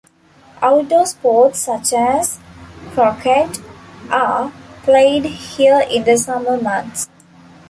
Outdoor sports such as croquet are played here in the summer months.